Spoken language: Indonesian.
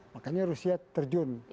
makanya rusia terjun